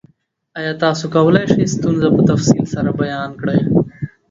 ایا تاسو کولی شئ ستونزه په تفصیل سره بیان کړئ؟